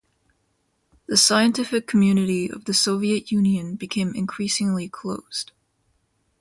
The scientific community of the Soviet Union became increasingly closed.